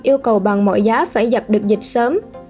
yêu cầu bằng mọi giá phải dập được dịch sớm